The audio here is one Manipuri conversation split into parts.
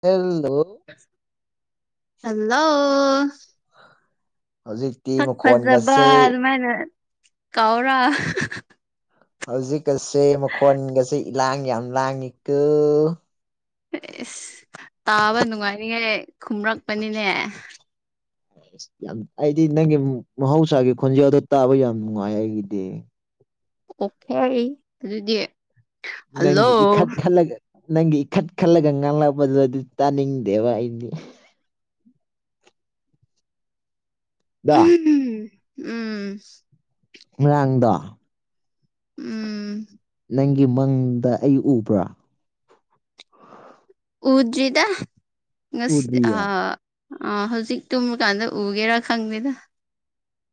ꯐ [inaudible] ꯍꯜꯂꯣ ꯍꯧꯖꯤꯛꯇꯤ ꯐꯛ ꯐꯖꯕ ꯃꯈꯣꯟꯒꯁꯦ ꯑꯗꯨꯃꯥꯏꯅ ꯀꯥꯎꯔ ꯍꯧꯖꯤꯛꯀꯁꯦ ꯃꯈꯣꯟꯒꯁꯦ ꯏꯂꯥꯡ ꯌꯥꯝ ꯂꯥꯡꯉꯤꯀꯣ ꯑꯦꯁ ꯇꯥꯕ ꯅꯨꯡꯉꯥꯏꯔꯤꯉꯩ ꯈꯨꯝꯔꯛꯄꯅꯤꯅꯦ [unintelligible] ꯑꯁ ꯌꯥꯝ ꯑꯩꯗꯤ ꯅꯪꯒꯤ ꯃꯍꯧꯁꯥꯒꯤ ꯈꯣꯟꯖꯦꯜꯗꯣ ꯇꯥꯕ ꯌꯥꯝ ꯅꯨꯡꯉꯥꯏ ꯑꯩꯒꯤꯗꯤ ꯑꯣꯀꯦ ꯑꯗꯨꯗꯤ ꯍꯜꯂꯣ ꯅꯪꯒꯤ ꯏ ꯈꯠ ꯈꯜꯂꯒ ꯅꯪꯒꯤ ꯏꯈꯠ ꯈꯜꯂꯒ ꯉꯥꯡꯂꯛꯄꯗꯨ ꯑꯗꯨ ꯇꯥꯅꯤꯡꯗꯦꯕ ꯑꯩꯗꯤ ꯗꯣ ꯎꯝ ꯃꯥꯔꯥꯡꯗꯣ ꯎꯝ ꯅꯪꯒꯤ ꯃꯪꯗ ꯑꯩ ꯎꯕ꯭ꯔꯥ ꯎꯗꯔꯤꯗ ꯉꯁꯤ ꯑ ꯎꯗ꯭ꯔꯤꯌꯦ ꯑꯥ ꯍꯧꯖꯤꯛ ꯇꯨꯝꯃꯀꯥꯟꯗ ꯎꯒꯦꯔꯥ ꯈꯪꯗꯦꯗ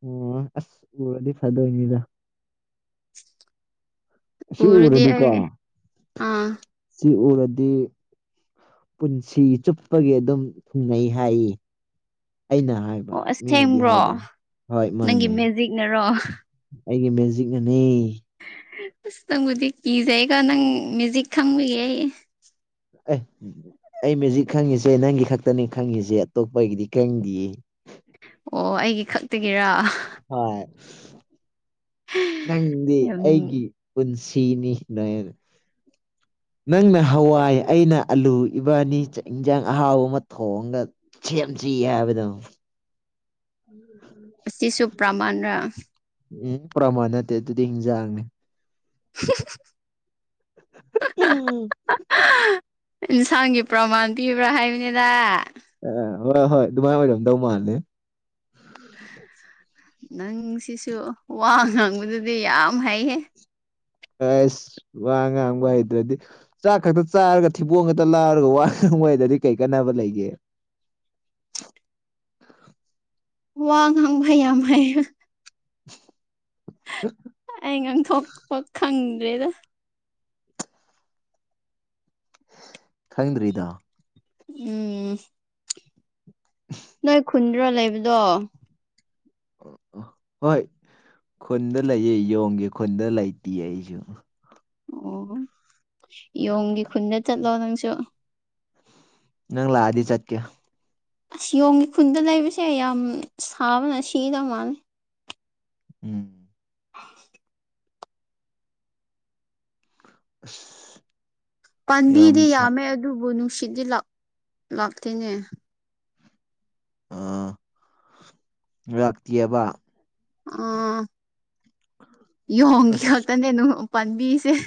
ꯑꯣ ꯑꯁ ꯎꯔꯗꯤ ꯐꯗꯣꯏꯅꯤꯗ ꯁꯤ ꯎꯔꯗꯤ ꯎꯔꯗꯤꯀꯣ ꯑꯩ ꯑꯥ ꯁꯤ ꯎꯔꯗꯤ ꯗꯤ ꯄꯨꯟꯁꯤ ꯆꯨꯞꯄꯒꯤ ꯑꯗꯨꯝ ꯊꯨꯡꯅꯩ ꯍꯥꯏꯌꯦ ꯑꯩꯅ ꯍꯥꯏꯕ ꯑꯣ ꯃꯤꯅꯗꯤ ꯑꯁꯦꯡꯕ꯭ꯔꯣ ꯍꯥꯏꯗꯦ ꯍꯣꯏ ꯅꯪꯒꯤ ꯃꯥꯅꯦ ꯃꯦꯖꯤꯛꯅꯔꯣ ꯑꯩꯒꯤ ꯃꯦꯖꯤꯛꯅꯅꯤ ꯇꯪꯕꯨꯗꯤ ꯀꯤꯖꯥꯏ ꯀꯣ ꯅꯪ ꯃꯦꯖꯤꯛ ꯈꯪꯕꯒꯤ ꯑꯩ ꯑꯦ ꯑꯩ ꯃꯦꯖꯤꯛ ꯈꯪꯉꯤꯁꯦ ꯅꯪꯒꯤ ꯈꯛꯇꯅꯤ ꯈꯪꯉꯤꯁꯦ ꯑꯇꯣꯞꯄꯒꯤꯗꯤ ꯈꯪꯗꯤꯌꯦ ꯑꯣ ꯑꯩꯒꯤ ꯈꯛꯇꯒꯤꯔ ꯍꯣꯏ ꯅꯪꯗꯤ ꯌꯥꯝ ꯑꯩꯒꯤ ꯄꯨꯟꯁꯤ ꯁꯤꯅꯤ ꯅꯣꯌꯦ [unintelligible] ꯅꯪꯅ ꯍꯋꯥꯏ ꯑꯩꯅ ꯑꯂꯨ ꯏꯕꯥꯅꯤ ꯆꯥꯛ ꯏꯟꯖꯥꯡ ꯑꯍꯥꯎ ꯑꯃ ꯊꯣꯡꯉꯒ ꯁꯦꯝꯖꯩ ꯍꯥꯏꯕꯗ [inaudible] ꯑꯁꯤꯁꯨ ꯄ꯭ꯔꯃꯥꯟꯂ ꯎꯝ ꯄ꯭ꯔꯃꯥꯟ ꯅꯠꯇꯦ ꯑꯗꯨꯗꯤ ꯍꯤꯡꯖꯥꯡꯅꯦ [unintelligible] ꯍꯥ ꯍꯥ ꯏꯟꯁꯥꯡꯒꯤ ꯄ꯭ꯔꯃꯥꯟ ꯄꯤ ꯍ꯭ꯔꯣ ꯍꯥꯏꯃꯤꯅꯦꯗ ꯑꯦ ꯍꯣꯏ ꯍꯣꯏ ꯑꯗꯨꯃꯥꯏꯅ ꯑꯣꯏꯔꯝ ꯗꯧ ꯃꯥꯜꯂꯦ ꯅꯪ ꯁꯤꯁꯨ ꯋꯥ ꯉꯥꯡꯕꯗꯨꯗꯤ ꯌꯥꯝ ꯍꯩꯍꯦ ꯑꯁ ꯋꯥ ꯉꯥꯡꯕ ꯍꯩꯇ꯭ꯔꯗꯤ ꯆꯥꯛ ꯈꯛꯇ ꯆꯥꯔꯒ ꯊꯤꯕꯣꯡ ꯈꯛꯇ ꯂꯥꯎꯔꯒ ꯋꯥ ꯊꯨꯡꯋꯥꯏꯗꯗꯤ ꯀꯩ ꯀꯥꯟꯅꯕ ꯂꯩꯒꯦ [unintelligible] ꯋꯥ ꯉꯥꯡꯕ ꯌꯥꯝ ꯍꯥꯏꯍꯦ ꯑ [inaudible] ꯑꯩ ꯉꯥꯡꯊꯣꯛꯄ ꯈꯪꯗ꯭ꯔꯦꯗ ꯈꯪꯗꯔꯗꯣ ꯎꯝ ꯅꯣꯏ ꯈꯨꯟꯗ꯭ꯔꯣ ꯂꯩꯕꯗꯣ ꯍꯣꯏ ꯈꯨꯟꯗ ꯂꯩꯌꯦ ꯌꯣꯡꯒꯤ ꯈꯨꯟꯗ ꯂꯩꯇꯦ ꯑꯩꯁꯨ ꯑꯣ ꯌꯣꯡꯒꯤ ꯈꯨꯟꯗ ꯆꯠꯂꯣ ꯅꯪꯁꯨ ꯅꯪ ꯂꯥꯛ ꯑꯗꯤ ꯆꯠꯀꯦ ꯑꯁ ꯌꯣꯡꯒꯤ ꯈꯨꯟꯗ ꯂꯩꯕꯁꯦ ꯌꯥꯝ ꯁꯥꯕꯅ ꯁꯤꯗꯧ ꯃꯥꯜꯂꯤ ꯎꯝ ꯑꯁ ꯌꯥꯝ ꯄꯥꯝꯕꯤꯗꯤ ꯁꯥ ꯌꯥꯝꯃꯦ ꯑꯗꯨꯕꯨ ꯅꯨꯡꯁꯤꯠꯗꯤ ꯂꯥꯛ ꯂꯥꯛꯇꯦꯅꯦ ꯑ ꯂꯥꯛꯇꯤꯌ‌ꯦꯕ ꯑꯥ ꯌꯣꯡꯈꯤ ꯑꯁ ꯈꯛꯇꯅꯦ ꯑꯗꯨ ꯄꯥꯟꯕꯤꯁꯦ [unintelligible]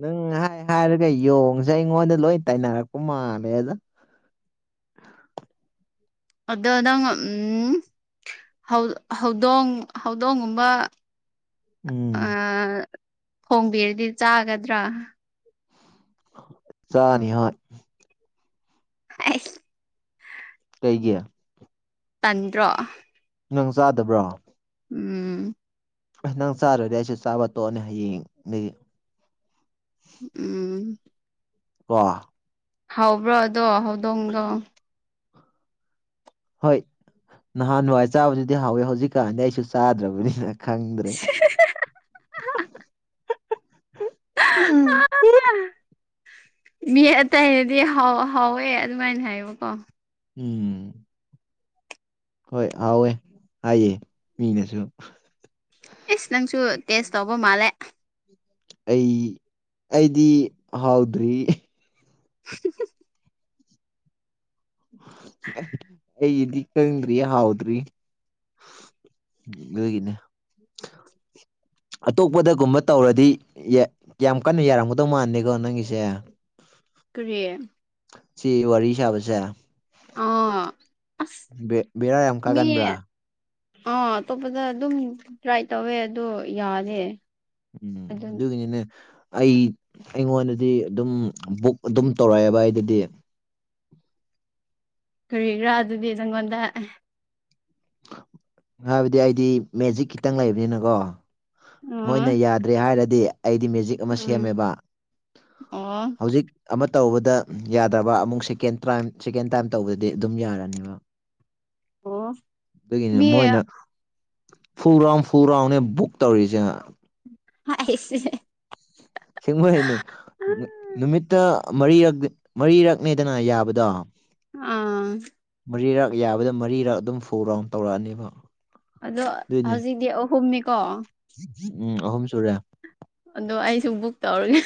ꯅꯪ ꯍꯥꯏ ꯍꯥꯏꯔꯒ ꯌꯣꯡꯁꯦ ꯑꯩꯉꯣꯟꯗ ꯂꯣꯏ ꯇꯥꯏꯅꯔꯛꯄ ꯃꯥꯜꯂꯦ ꯑꯗ [inaudible] ꯑꯗ ꯅꯪ ꯎꯝ ꯍꯧ ꯍꯧꯗꯣꯡ ꯍꯧꯗꯣꯡꯒꯨꯝꯕ ꯑ ꯎꯝ ꯊꯣꯡꯕꯤꯔꯗꯤ ꯆꯥꯒꯗ꯭ꯔꯥ ꯆꯥꯅꯤ ꯍꯣꯏ ꯑꯩꯁ ꯒ [inaudible] ꯇꯟꯗ꯭ꯔꯣ ꯅꯪ ꯆꯥꯗꯕ꯭ꯔꯣ ꯎꯝ ꯑꯁ ꯆꯥꯗꯔꯗꯤ ꯑꯩꯁꯨ ꯆꯥꯕ ꯇꯣꯛꯑꯅꯤ ꯍꯌꯦꯡ ꯗꯒꯤ ꯎꯝ ꯋꯥ ꯍꯧꯕ꯭ꯔꯣꯗꯣ ꯍꯧꯗꯣꯡꯗꯣ ꯍꯣꯏ ꯅꯍꯥꯟ ꯋꯥꯏ ꯆꯥꯕꯗꯨꯗꯤ ꯍꯥꯎꯋꯦ ꯍꯧꯖꯤꯛ ꯀꯥꯟꯗꯤ ꯑꯩꯁꯨ ꯆꯥꯗ꯭ꯔꯕꯅꯤꯅ ꯈꯪꯪꯗ꯭ꯔꯦ [unintelligible] ꯑꯝ ꯛꯝ ꯑꯍꯝ ꯃꯤ ꯑꯇꯩꯅꯗꯤ ꯍꯥꯎ ꯍꯥꯎꯋꯦ ꯑꯗꯨꯃꯥꯏꯅ ꯍꯥꯏꯌꯦꯕꯀꯣ ꯎꯝ ꯍꯣꯏ ꯍꯥꯎꯋꯦ ꯍꯥꯏꯌꯦ ꯃꯤꯅꯁꯨ ꯏꯁ ꯅꯪꯁꯨ ꯇꯦꯁ ꯇꯧꯕ ꯃꯥꯜꯂꯦ ꯑꯩ ꯑꯩꯗꯤ ꯍꯥꯎꯗ꯭ꯔꯤ [unintelligible] ꯑꯩ ꯑꯩꯗꯤ ꯈꯪꯗꯔꯤ ꯍꯥꯎꯗ꯭ꯔꯤ ꯗꯨꯏꯅꯦ [unintelligible] ꯑꯇꯣꯞꯄꯗꯒꯨꯝꯕ ꯇꯧꯔꯗꯤ ꯌꯥ ꯌꯥꯝ ꯀꯟꯅ ꯌꯥꯔꯝꯒꯗꯧ ꯃꯥꯟꯗ‌ꯦꯀꯣ ꯅꯪꯒꯤꯁꯦ ꯀꯔꯤ ꯁꯤ ꯋꯥꯔꯤ ꯁꯥꯕꯁꯦ ꯑꯥ ꯑꯁ ꯕ‌ꯦ ꯕꯦꯔꯥ ꯌꯥꯝ ꯃꯤ ꯀꯥꯒꯟꯕ꯭ꯔꯥ ꯑꯥ ꯑꯇꯣꯞꯄꯗ ꯑꯗꯨꯝ ꯇ꯭ꯔꯥꯏ ꯇꯧꯋꯦ ꯑꯗꯣ ꯌꯥꯔꯦ ꯎꯝ ꯑꯗꯨꯒꯤꯅꯤꯅꯦ ꯑꯩ ꯑꯩꯉꯣꯟꯗꯗꯤ ꯑꯗꯨꯝ ꯕꯨꯛ ꯑꯗꯨꯝ ꯇꯧꯔꯛꯑꯦꯕ ꯑꯩꯒꯤꯗꯤ ꯀꯔꯤꯔꯥ ꯑꯗꯨꯗꯤ ꯅꯪꯉꯣꯟꯗ ꯍꯥꯏꯕꯗꯤ ꯑꯩꯗꯤ ꯃꯦꯖꯤꯛ ꯈꯤꯇꯪ ꯂꯩꯕꯅꯤꯅꯀꯣ ꯎꯝ ꯃꯣꯏꯅ ꯌꯥꯗ꯭ꯔꯦ ꯍꯥꯏꯔꯗꯤ ꯑꯩꯗꯤ ꯃꯦꯖꯤꯛ ꯑꯃ ꯎꯝ ꯁꯦꯝꯃꯦꯕ ꯑꯣ ꯍꯧꯖꯤꯛ ꯑꯃ ꯇꯧꯕꯗ ꯌꯥꯗ꯭ꯔꯕ ꯑꯃꯨꯛ ꯁꯦꯀꯦꯟ ꯇꯥꯏꯝ ꯁꯦꯀꯦꯟ ꯇꯥꯏꯝ ꯇꯧꯕꯗꯗꯤ ꯑꯗꯨꯝ ꯌꯥꯔꯅꯤꯕ [unintelligible] ꯑꯗꯨꯒꯤꯅꯤ ꯃꯤ ꯃꯣꯏꯅ ꯐꯨꯜꯔꯥꯎꯟ ꯐꯨꯜꯔꯥꯎꯟꯅꯦ ꯕꯨꯛ ꯇꯧꯔꯤꯁꯦ ꯍꯥꯏꯁ‌ꯦ ꯑꯁꯦꯡꯕꯩꯅꯦ ꯅꯨꯃꯤꯠꯇ ꯃꯔꯤꯔꯛ ꯃꯔꯤꯔꯛꯅꯦꯗꯅ ꯌꯥꯕꯗꯣ ꯑꯥ ꯃꯔꯤꯔꯛ ꯌꯥꯕꯗ ꯃꯔꯤꯔꯛ ꯑꯗꯨꯝ ꯐꯨꯔ ꯔꯥꯎꯟ ꯇꯧꯔꯛꯑꯅꯦꯕ ꯑꯗꯣ ꯑꯗꯨꯏꯅꯦ ꯍꯧꯖꯤꯛꯗꯤ ꯑꯍꯨꯝꯅꯤꯀꯣ ꯎꯝ ꯑꯍꯨꯝ ꯁꯨꯔꯦ ꯑꯗꯣ ꯑꯩꯁꯨ ꯕꯨꯛ ꯇꯧꯔꯒꯦ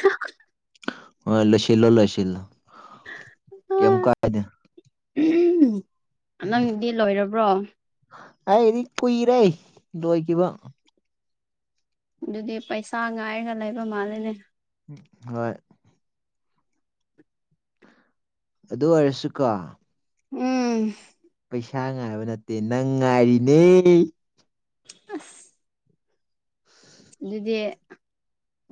ꯍꯣꯏ ꯂꯣꯏꯁꯤꯜꯂꯣ ꯂꯣꯏꯁꯤꯜꯂꯣ ꯀꯦꯝ ꯀꯥꯏꯗꯦ ꯅꯪꯗꯤ ꯂꯣꯏꯔꯕ꯭ꯔꯣ ꯑꯩꯒꯤꯗꯤ ꯀꯨꯏꯔꯦ ꯂꯣꯏꯒꯤꯕ ꯑꯗꯨꯗꯤ ꯄꯩꯁꯥ ꯉꯥꯏꯔꯒ ꯂꯩꯕ ꯃꯥꯜꯂꯦꯅꯦ ꯍꯣꯏ ꯑꯗꯨ ꯑꯣꯏꯔꯁꯨꯀꯣ ꯎꯝ ꯄꯩꯁꯥ ꯉꯥꯏꯕ ꯅꯠꯇꯦ ꯅꯪ ꯉꯥꯏꯔꯤꯅꯦ ꯑꯁ ꯑꯗꯨꯗꯤ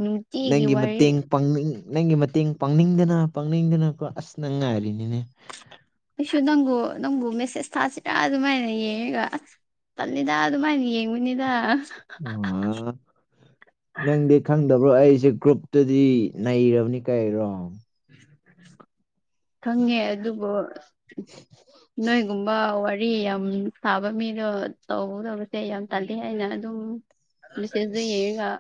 ꯅꯨꯡꯇꯤꯒꯤ ꯅꯪꯒꯤ ꯋꯥꯔꯤ ꯃꯇꯦꯡ ꯄꯥꯡꯅꯤꯡ ꯅꯪꯒꯤ ꯃꯇꯦꯡ ꯄꯥꯡꯅꯤꯡꯗꯅ ꯄꯥꯡꯅꯤꯡꯗꯅꯀꯣ ꯑꯁ ꯅꯪ ꯉꯥꯏꯔꯤꯅꯤꯅꯦ ꯑꯩꯁꯨ ꯅꯪꯕꯨ ꯅꯪꯕꯨ ꯃꯦꯁꯦꯖ ꯊꯥꯁꯤꯔꯥ ꯑꯗꯨꯃꯥꯏꯅ ꯌꯦꯡꯉꯒ ꯑꯁ ꯇꯜꯂꯤꯗ ꯑꯗꯨꯃꯥꯏꯅ ꯌꯦꯡꯕꯅꯤꯗ ꯑꯝ ꯅꯪꯗꯤ ꯈꯪꯗꯕ꯭ꯔꯣ ꯑꯩꯁꯦ ꯒ꯭ꯔꯨꯞꯇꯗꯤ ꯅꯩꯔꯕꯅꯤ ꯀꯩꯔꯣ ꯈꯪꯉꯦ ꯑꯗꯨꯕꯨ ꯅꯣꯏꯒꯨꯝꯕ ꯋꯥꯔ ꯌꯥꯝ ꯁꯥꯕ ꯃꯤꯗꯣ ꯇꯧꯒꯗꯕꯁꯦ ꯌꯥꯝ ꯇꯥꯜꯂꯤ ꯂꯩꯅ ꯑꯗꯨꯝ ꯃꯦꯁꯦꯖꯗ ꯌꯦꯡꯉꯒ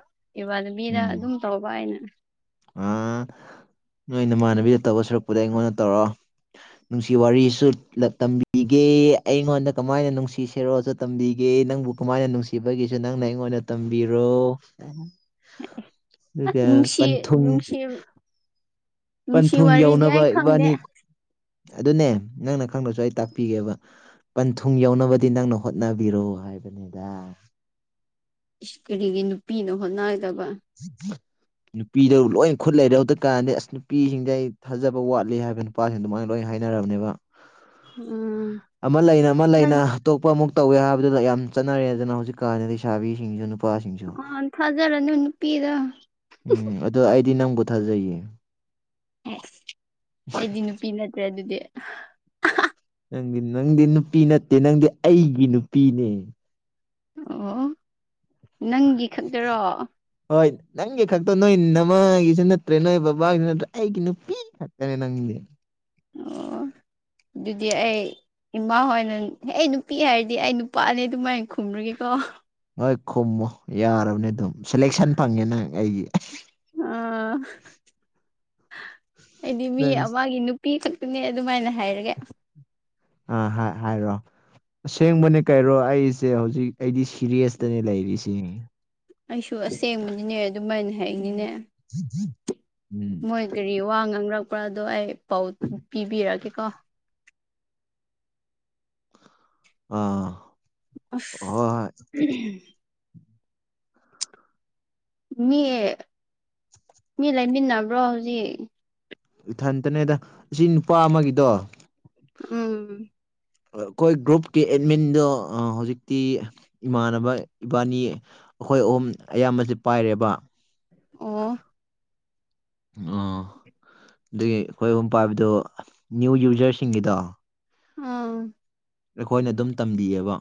ꯏꯕꯥꯅꯕꯤꯅ ꯎꯝ ꯑꯗꯨꯝ ꯇꯧꯕ ꯑꯩꯅ ꯑꯥ [unintelligible] ꯅꯣꯏ ꯏꯃꯥꯟꯅꯕꯤꯗ ꯇꯧꯕ ꯁꯨꯔꯛꯄꯨꯗꯤ ꯑꯩꯉꯣꯟꯗ ꯇꯧꯔꯣ ꯅꯨꯡꯁꯤ ꯋꯥꯔꯤꯁꯨ ꯂꯚ ꯇꯝꯕꯤꯒꯦ ꯑꯩꯉꯣꯟꯗ ꯀꯃꯥꯏꯅ ꯅꯨꯡꯁꯤ ꯁꯤꯔꯣꯁꯨ ꯇꯝꯕꯤꯒꯦ ꯅꯪꯕꯨ ꯀꯃꯥꯏꯅ ꯅꯨꯡꯁꯤꯕꯒꯤꯁꯨ ꯅꯪꯅ ꯑꯩꯉꯣꯟꯗ ꯇꯝꯕꯤꯔꯣ ꯑꯁ [unintelligible] ꯅꯨꯡꯁꯤ ꯅꯨꯡꯁꯤ ꯅꯨꯡꯁꯤ ꯄꯟꯊꯨꯡ ꯋꯥꯔꯤꯗꯤ ꯌꯧꯅꯕ ꯑꯩ ꯈꯪꯗꯦ ꯏꯕꯥꯅꯤ ꯑꯗꯨꯅꯦ ꯅꯪꯅ ꯈꯪꯗꯁꯨ ꯑꯩ ꯇꯥꯛꯄꯤꯒꯦꯕ ꯄꯟꯊꯨꯡ ꯌꯎꯅꯕꯗꯤ ꯅꯪꯅ ꯍꯣꯠꯅꯕꯤꯔꯣ ꯍꯥꯏꯕꯅꯤꯗ ꯏꯁ ꯀꯔꯤꯒꯤ ꯅꯨꯄꯤꯅ ꯍꯣꯠꯅ [unintelligible] ꯅꯨꯄꯤꯗ ꯂꯣꯏꯅ ꯈꯨꯠ ꯂꯩꯔꯦ ꯍꯧꯗ ꯀꯥꯟꯗꯤ ꯑꯁ ꯅꯨꯄꯤꯁꯤꯡꯁꯦ ꯑꯩ ꯊꯥꯖꯕ ꯋꯥꯠꯂꯤ ꯍꯥꯏꯕ ꯅꯨꯄꯥꯁꯤꯡꯗꯨ ꯃꯥꯏꯅ ꯂꯣꯏ ꯍꯥꯏꯅꯔꯕꯅꯦꯕ ꯎꯝ ꯑꯃ ꯂꯩꯅ ꯑꯃ ꯂꯩꯅ ꯊꯥꯖ ꯑꯇꯣꯞꯄ ꯑꯃꯨꯛ ꯇꯧꯋꯦ ꯍꯥꯏꯕꯗꯨꯗ ꯌꯥꯝ ꯆꯠꯅꯔꯦ ꯑꯗꯨꯅ ꯍꯧꯖꯤꯛ ꯀꯥꯟꯅ ꯂꯩꯁꯥꯥꯕꯤꯁꯤꯡꯁꯨ ꯅꯨ ꯑ ꯊꯥꯖꯔꯅꯨ ꯅꯨꯄꯤꯗ ꯎꯝ ꯑꯗꯣ ꯑꯩꯗꯤ ꯅꯪꯕꯨ ꯊꯥꯖꯩꯌꯦ ꯍꯦ ꯑꯩꯗꯤ ꯅꯨꯄꯤ ꯅꯠꯇ꯭ꯔꯦ ꯑꯗꯨꯗꯤ ꯅꯪꯗꯤ ꯅꯪꯗꯤ ꯅꯨꯄꯤ ꯅꯠꯇꯦ ꯅꯪꯗꯤ ꯑꯩꯒꯤ ꯅꯨꯄꯤꯅꯦ ꯑꯣ ꯅꯪꯒꯤ ꯈꯛꯇꯔꯣ ꯍꯣꯏ ꯅꯪꯒꯤ ꯈꯛꯇꯣ ꯅꯣꯏ ꯅꯃꯥꯒꯤꯁꯨ ꯅꯠꯇ꯭ꯔꯦ ꯅꯣꯏ ꯕꯕꯥꯒꯤꯁꯨ ꯅꯠꯇ꯭ꯔ ꯑꯩꯒꯤ ꯅꯨꯄꯤ ꯈꯛꯇꯅꯦ ꯅꯪꯗꯤ ꯑꯣ ꯑꯗꯨꯗꯤ ꯑꯩ ꯏꯃꯥ ꯍꯣꯏꯅ ꯍꯦ ꯅꯨꯄꯤ ꯍꯥꯏꯔꯗꯤ ꯑꯩ ꯅꯨꯄꯥꯅꯦ ꯑꯗꯨꯃꯥꯏꯅ ꯈꯨꯝꯒꯔꯒꯦꯀꯣ ꯍꯣꯏ ꯈꯨꯝꯃꯣ ꯌꯥꯔꯕꯅꯤ ꯑꯗꯨꯝ ꯁꯦꯂꯦꯛꯁꯟ ꯐꯪꯉꯦ ꯅꯪ ꯑꯩꯒꯤ ꯑꯥ ꯑꯩꯗꯤ ꯃꯤ ꯅꯪ ꯑꯃꯒꯤ ꯅꯨꯄꯤ ꯈꯛꯇꯅꯦ ꯑꯗꯨꯃꯥꯏꯅ ꯍꯥꯏꯔꯒꯦ ꯑ ꯍꯥꯏ ꯍꯥꯏꯔꯣ ꯑꯁꯦꯡꯕꯅꯦ ꯀꯩꯔꯣ ꯑꯩꯁꯦ ꯍꯧꯖꯤꯛ ꯑꯩꯗꯤ ꯁꯤꯔꯤꯁꯇꯅꯦ ꯂꯩꯔꯤꯁꯤꯅꯤ ꯑꯩꯁꯨ ꯑꯁꯦꯡꯕꯅꯤꯅꯦ ꯑꯗꯨꯃꯥꯏꯅ ꯍꯥꯏꯅꯤꯅꯦ ꯎꯝ ꯃꯣꯏ ꯀꯔꯤ ꯋꯥ ꯉꯥꯡꯔꯛꯄ꯭ꯔꯥ ꯑꯗꯣ ꯑꯩ ꯄꯥꯎ ꯄꯤꯕꯤꯔꯛꯒꯦ ꯀꯣ ꯑꯥ ꯑꯁ ꯍꯣꯏ ꯍꯣꯏ ꯃꯤ ꯃꯤ ꯃꯤ ꯂꯩꯃꯤꯟꯅꯕ꯭ꯔꯣ ꯍꯧꯖꯤꯛ ꯏꯊꯟꯇꯅꯦꯗ ꯑꯁꯤ ꯅꯨꯄꯥ ꯑꯃꯒꯤꯗꯣ ꯎꯝ ꯑꯩꯈꯣꯏ ꯒ꯭ꯔꯨꯞꯀꯤ ꯑꯦꯠꯃꯤꯟꯗꯣ ꯍꯧꯖꯤꯛꯇꯤ ꯏꯃꯥꯟꯅꯕ ꯏꯕꯥꯅꯤ ꯑꯩꯈꯣꯏ ꯑꯍꯨꯝ ꯑꯌꯥꯝꯕꯕꯁꯤꯦ ꯄꯥꯏꯔꯦꯕ ꯑꯣ ꯑꯣ ꯑꯗꯨꯒꯤ ꯑꯩꯈꯣꯏ ꯑꯗꯨꯝ ꯄꯥꯏꯕꯗꯣ ꯅ꯭ꯌꯨ ꯌꯨꯖꯔꯁꯤꯡꯒꯤꯗꯣ ꯑꯝ ꯑꯩꯈꯣꯏꯅ ꯑꯗꯨꯝ ꯇꯝꯕꯤꯑꯕ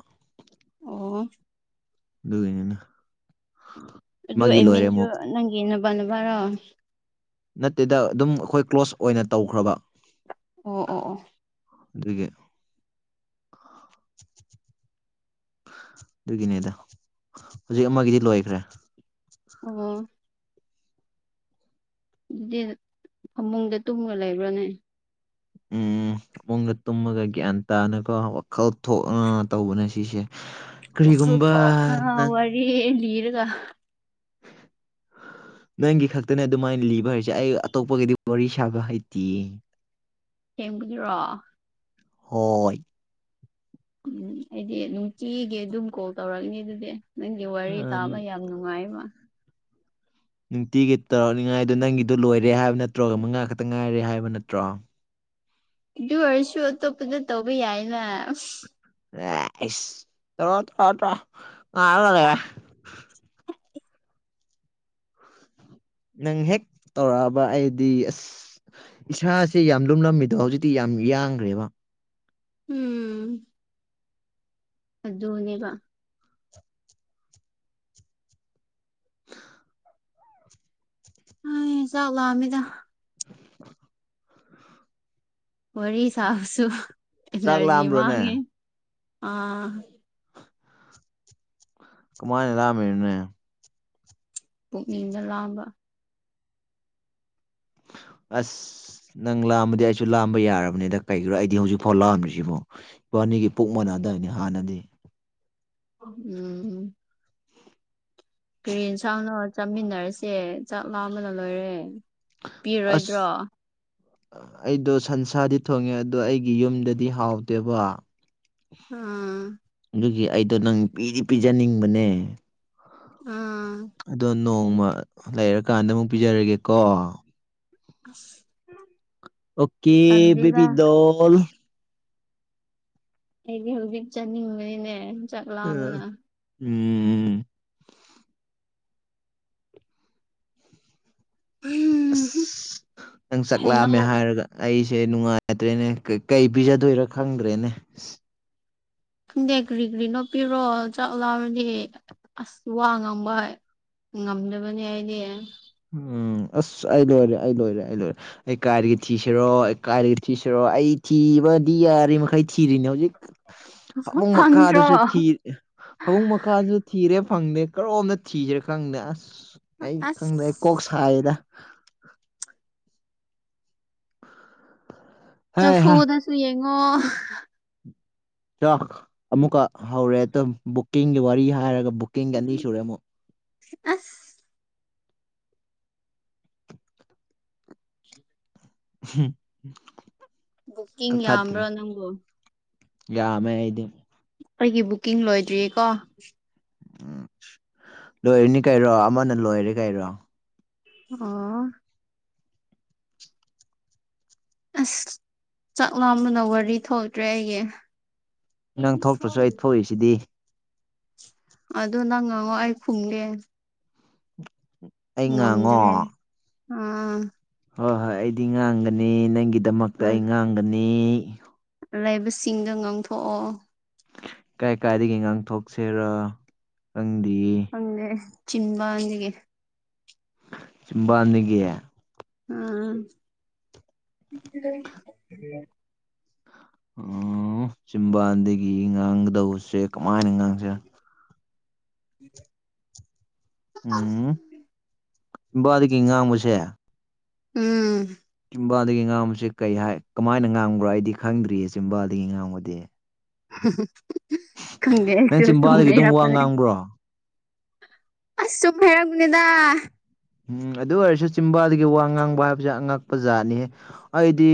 ꯑꯣ ꯒꯅꯤꯅ ꯑꯗꯨ ꯑꯦꯃꯤꯟꯁꯨ ꯅꯪꯒꯤ ꯅꯕꯅꯕꯔꯣ ꯅꯠꯇꯦꯗ ꯑꯗꯨꯝ ꯑꯩꯈꯣꯏ ꯀ꯭ꯂꯣꯁ ꯑꯣꯏꯅ ꯇꯧꯈ꯭ꯔꯕ ꯑꯣ ꯑꯣ ꯑꯣ ꯑꯗꯨꯒꯤ ꯑꯗꯨꯒꯤꯅꯦꯗ ꯍꯧꯖꯤꯛ ꯑꯃꯒꯤꯗꯤ ꯂꯣꯏꯈ꯭ꯔꯦ ꯑꯣ ꯑꯗꯨꯗꯤ ꯐꯃꯨꯡꯗ ꯇꯨꯝꯂ ꯂꯩꯕ꯭ꯔꯣꯅꯦ ꯎꯝ ꯃꯨꯡꯗ ꯇꯨꯝꯃꯒ ꯒ꯭ꯌꯥꯟ ꯇꯥꯅꯀꯣ ꯋꯥꯈꯜ ꯊꯣꯛ ꯇꯧꯕꯅꯦ ꯁꯤꯁꯦ ꯈ ꯀꯔꯤꯒꯨꯝꯕ ꯊꯥꯎꯅ ꯅꯪ ꯋꯥꯔꯤ ꯂꯤꯔꯒ ꯅꯪꯒꯤ ꯈꯛꯇꯅꯦ ꯑꯗꯨꯃꯥꯏꯅ ꯂꯤꯕ ꯍꯥꯏꯁꯦ ꯑꯩ ꯑꯇꯣꯞꯄꯒꯤꯗꯤ ꯋꯥꯔꯤ ꯁꯥꯕ ꯍꯩꯇꯦ ꯊꯖꯔꯣ ꯍꯣꯏ ꯎꯝ ꯑꯩꯗꯤ ꯅꯨꯡꯇꯤꯒꯤ ꯑꯗꯨꯝ ꯀꯣꯜ ꯇꯧꯔꯛꯅꯤ ꯑꯗꯨꯗꯤ ꯅꯪꯒꯤ ꯋꯥꯔꯤ ꯑ, ꯇꯥꯕ ꯌꯥꯝ ꯅꯨꯡꯉꯥꯏꯕ ꯅꯨꯡꯇꯤꯒꯤ ꯇꯧꯔꯛꯅꯤꯉꯥꯏꯗ ꯅꯪꯒꯤꯗꯨ ꯂꯣꯏꯔꯦ ꯍꯥꯏꯕ ꯅꯠꯇ꯭ꯔꯣꯒ ꯃꯉꯥ ꯈꯛꯇ ꯉꯥꯏꯔꯦ ꯍꯥꯏꯕ ꯅꯠꯇ꯭ꯔꯣ ꯑꯗꯨ ꯑꯣꯏꯔꯁꯨ ꯑꯇꯣꯞꯄꯗ ꯇꯧꯕ ꯌꯥꯏꯅ ꯑꯦꯣ ꯇꯣ ꯇ꯭ꯔꯣ ꯉꯕ ꯅꯪ ꯍꯦꯛ ꯇꯧꯔꯛꯑꯕ ꯑꯩꯗꯤ ꯑꯁ ꯏꯁꯥꯁꯦ ꯌꯥꯝ ꯂꯨꯝꯂꯝꯃꯤꯗꯣ ꯍꯧꯖꯤꯛꯇꯤ ꯌꯥꯝ ꯌꯥꯡꯈ꯭ꯔꯦꯕ ꯎꯝ ꯑꯗꯨꯅꯦꯕ ꯑ ꯆꯥꯛ ꯂꯝꯃꯤꯗ ꯋꯥꯔꯤ ꯁꯥꯁꯨ ꯆꯥꯛ ꯑꯦꯅꯔꯖꯤ ꯂꯥꯝꯕ꯭ꯔꯣꯅꯦ ꯃꯥꯡꯉꯦ ꯑꯥ ꯀꯃꯥꯏꯅ ꯂꯥꯛꯑꯃꯦꯅꯦ ꯄꯨꯅꯤꯡꯗ ꯂꯑꯝꯕ ꯑꯁ ꯅꯪ ꯂꯥꯛꯑꯝꯕꯗꯤ ꯑꯩꯁꯨ ꯂꯥꯝꯕ ꯌꯥꯔꯕꯅꯤꯗ ꯀꯩꯒꯤꯔꯣ ꯑꯩꯗꯤ ꯍꯧꯖꯤꯛꯐꯥꯎ ꯂꯥꯛꯑꯝ꯭ꯔꯤꯁꯤꯕꯣ ꯏꯕꯥꯅꯤꯒꯤ ꯄꯨꯛ ꯃꯅꯥ ꯑꯗꯨꯗꯥꯏꯅꯤ ꯍꯥꯟꯅꯗꯤ ꯎꯝ ꯒ꯭ꯔꯤꯟ ꯁꯥꯎꯅ ꯆꯥꯃꯤꯟꯅꯔꯁꯦ ꯆꯥꯛ ꯂꯥꯕꯅ ꯂꯣꯏꯔꯦ ꯑꯁ ꯄꯤꯔꯣꯏꯗ꯭ꯔꯣ ꯑꯩꯗꯣ ꯁꯟꯁꯥꯗꯤ ꯊꯣꯡꯉꯦ ꯑꯗꯣ ꯑꯩꯒꯤ ꯌꯨꯝꯗꯗꯤ ꯍꯥꯎꯗꯦꯕ ꯑꯥ ꯑꯩꯗꯣ ꯅꯪ ꯄꯤꯗꯤ ꯄꯤꯖꯅꯤꯡꯕꯅꯦ ꯎꯝ ꯑꯗꯣ ꯅꯣꯡꯃ ꯂꯩꯔꯀꯥꯟꯗ ꯑꯃꯨꯛ ꯄꯤꯖꯔꯒꯦꯀꯣ ꯎ ꯑꯣꯀꯦ ꯕꯤꯕꯤꯗꯣꯜ ꯑꯩꯗꯤ ꯍꯧꯖꯤꯛ ꯆꯠꯅꯤꯡꯕꯅꯤꯅꯦ ꯆꯥꯛꯂꯝꯕꯅ ꯎꯝ ꯎꯝ ꯑꯁ ꯅꯪ ꯍꯩꯅꯧ ꯆꯠꯂꯛꯑꯝꯃꯦ ꯍꯥꯏꯔꯒ ꯑꯩ ꯁꯦ ꯅꯨꯡꯉꯥꯏꯇ꯭ꯔꯦꯅꯦ ꯀꯩ ꯄꯤꯖꯗꯣꯏꯔ ꯈꯪꯗ꯭ꯔꯦꯅꯦ ꯈꯪꯗꯦ ꯀꯔꯤ ꯒ꯭ꯔꯤ ꯔꯥꯥ ꯄꯤꯔꯣ ꯆꯥꯛ ꯂꯝꯃꯥꯗꯤ ꯑꯁ ꯋꯥ ꯉꯥꯡꯕ ꯉꯝꯗꯕꯅꯤ ꯍꯥꯏꯗꯤ ꯎꯝ ꯑꯁ ꯑꯩ ꯂꯣꯏꯔꯦ ꯑꯩ ꯂꯣꯏꯔꯦ ꯑꯩ ꯂꯣꯏꯔꯦ ꯑꯩ ꯀꯥꯏꯔꯗꯒꯤ ꯊꯤꯁꯤꯔꯣ ꯑꯩ ꯀꯥꯏꯗꯒꯤ ꯊꯤꯁꯤꯔꯣ ꯑꯩ ꯊꯤꯕ ꯗꯤ ꯑꯔꯔꯤ ꯃꯈꯩ ꯊꯤꯔꯤꯅꯦ ꯍꯣ ꯖꯤꯛ ꯐꯃꯨꯡ ꯐꯪꯗ꯭ꯔꯣ ꯃꯈꯥꯗꯁꯨ ꯊꯤ ꯐꯃꯨꯡ ꯃꯈꯥꯗꯁꯨ ꯊꯤꯔꯦ ꯈꯪꯗꯦ ꯀꯔꯣꯝꯗ ꯊꯤꯁꯤꯔꯦ ꯈꯪꯗꯦ ꯑꯁ ꯑꯩ ꯑꯁ ꯈꯪꯗꯦ ꯀꯗ ꯍꯩ ꯍꯥ ꯆꯐꯨꯅꯁꯨ ꯌꯦꯡꯉꯣ ꯆꯥꯛ ꯑꯃꯨꯛꯀ ꯍꯧꯔꯦ ꯑꯗꯨꯝ ꯕꯨꯛꯀꯤꯡꯒꯤ ꯋꯥꯔꯤ ꯍꯥꯏꯔꯒ ꯕꯨ ꯀꯤꯡꯒ ꯑꯅꯤ ꯁꯨꯔꯦꯃꯛ ꯑꯁ ꯍꯝ ꯕꯨꯛꯀꯤꯡ ꯌꯥꯝꯕ꯭ꯔꯣ ꯅꯪꯕꯣ ꯌꯥꯃꯦ ꯏꯗꯤ ꯑꯩꯒꯤ ꯕꯨꯛꯀꯤꯡ ꯂꯣꯏꯗ꯭ꯔꯤꯌꯦ ꯀꯣ ꯎꯝ ꯂꯣꯏꯔꯅꯤ ꯀꯔꯣ ꯑꯃꯅ ꯂꯣꯏꯔꯦ ꯀꯔꯣ ꯑꯥ ꯑꯁ ꯆꯥꯛ ꯂꯥꯝꯕꯅ ꯋꯥꯔꯤ ꯊꯣꯛꯇ꯭ꯔꯦ ꯑꯩꯒꯤ ꯅꯪ ꯊꯣꯛꯇ꯭ꯔꯁꯨ ꯑꯩ ꯊꯣꯛꯏꯁꯤꯗꯤ ꯑꯗꯨ ꯅꯪ ꯉꯥꯡꯉꯑꯣ ꯑꯩ ꯈꯨꯝꯒꯦ ꯑꯩ ꯉꯥꯡꯉꯣ ꯑ ꯍꯣꯏ ꯍꯣꯏ ꯑꯩꯗꯤ ꯉꯥꯡꯒꯅꯤ ꯅꯪꯒꯤꯗꯃꯛꯇ ꯑꯩ ꯉꯥꯡꯒꯅꯤ ꯂꯩꯕꯁꯤꯡꯒ ꯉꯥꯡꯊꯣꯛꯑꯣ ꯀꯥꯏ ꯀꯥꯏꯗꯒꯤ ꯉꯥꯡꯊꯣꯛꯁꯤꯔ ꯍꯪꯦ ꯆꯤꯟꯕꯥꯒ ꯙꯒ ꯎꯝ ꯎ ꯆꯖꯤꯝꯕꯥꯟꯗꯒꯤ ꯉꯥꯡꯒꯗꯧꯁꯦ ꯀꯃꯥꯏꯅ ꯉꯥꯡꯁꯦ ꯎ ꯎꯝ ꯗꯀꯤꯉ ꯃꯁꯦ ꯎꯝ ꯆꯝꯕꯥꯜꯗꯒꯤ ꯉꯥꯡꯕꯁꯤꯦ ꯀꯩ ꯍꯥꯏ ꯀꯃꯥꯏꯅ ꯉꯥꯡꯝꯈ꯭ꯔꯣ ꯑꯩꯗꯤ ꯈꯪꯗ꯭ꯔꯤꯌꯦ ꯆꯤꯝꯕꯥꯜꯗꯒꯤ ꯉꯥꯡꯒꯗꯤ ꯅꯪ ꯈꯪꯒꯦꯁ ꯁꯨꯝ ꯆꯤꯝꯕꯥꯜꯗꯒꯤ ꯑꯗꯨꯝ ꯋꯥ ꯃꯔꯄꯅꯦ ꯉꯥꯡꯕ꯭ꯔꯣ ꯑꯁ ꯆꯨꯝ ꯍꯥꯏꯩꯔꯛꯒꯅꯦꯗ ꯎꯝ ꯑꯗꯨ ꯑꯣꯏꯔꯁꯨ ꯆꯤꯝꯕꯥꯗꯒꯤ ꯋꯥ ꯉꯥꯡꯕ ꯍꯥꯏꯕꯁꯦ ꯑꯉꯛꯄ ꯖꯥꯠꯅꯤ ꯑꯩꯗꯤ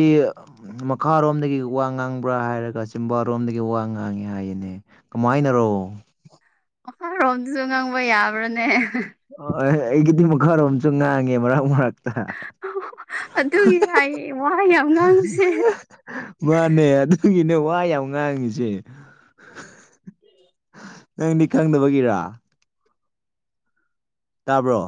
ꯃꯈꯥꯔꯣꯝꯗꯒꯤ ꯋꯥ ꯉꯥꯡꯕ꯭ꯔꯥ ꯍꯥꯏꯔꯒ ꯀꯥ ꯆꯤꯝꯕꯥꯔꯣꯝꯗꯒꯤ ꯋꯥ ꯉꯥꯡꯉꯦ ꯍꯥꯏꯌꯦꯅꯦ ꯀꯃꯥꯏꯅꯔꯣ ꯃꯈꯥꯔꯣꯝꯗꯨꯁꯨ ꯉꯪꯕ ꯌꯥꯕ꯭ꯔꯅꯦ ꯍ ꯑꯩꯒꯤꯗꯤꯡ ꯃꯈꯥꯔꯣꯝꯁꯨ ꯉꯥꯡꯉꯦ ꯃꯔꯛ ꯃꯔꯛꯇ ꯑꯗꯨꯒꯤ ꯍꯥꯏ ꯋꯥ ꯌꯥꯝ ꯉꯥꯡꯕꯁꯦ ꯃꯥꯅꯦ ꯑꯗꯨꯒꯤꯅꯦ ꯀ꯭ꯋꯥ ꯌꯥꯎꯅꯥꯡꯤꯁꯦ [unintelligible] ꯅꯪꯗꯤ ꯈꯪꯗꯕꯒꯤꯔꯥ ꯇꯥꯕ꯭ꯔꯣ